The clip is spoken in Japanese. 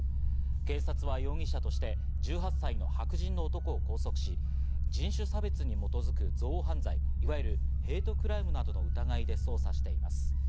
警察は容疑者として１８歳の白人の男を拘束し、人種差別に基づく、憎悪犯罪、いわゆるヘイトクライムなどの疑いで捜査しています。